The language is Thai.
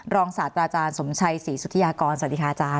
ศาสตราอาจารย์สมชัยศรีสุธิยากรสวัสดีค่ะอาจารย